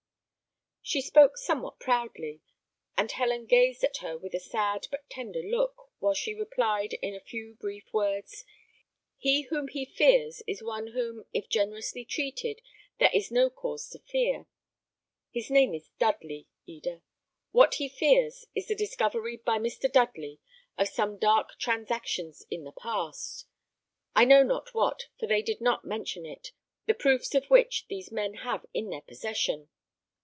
She spoke somewhat proudly, and Helen gazed at her with a sad but tender look, while she replied, in a few brief words, "He whom he fears is one whom, if generously treated, there is no cause to fear. His name is Dudley, Eda! What he fears, is the discovery by Mr. Dudley of some dark transactions in the past I know not what, for they did not mention it the proofs of which these men have in their possession."